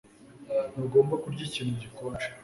Ntugomba kurya ikintu gikonje